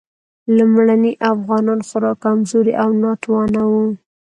لومړني انسانان خورا کمزوري او ناتوانه وو.